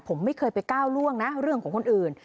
ผมไม่เคยไปก้าวล่วงนะเรื่องของคนอื่น